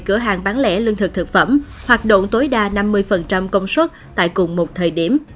cửa hàng bán lẻ lương thực thực phẩm hoạt động tối đa năm mươi công suất tại cùng một thời điểm